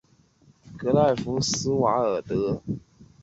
格赖夫斯瓦尔德距离德国最大的两个城市柏林和汉堡都约为。